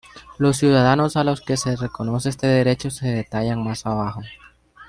Los ciudadanos a los que se reconoce este derecho se detallan más abajo.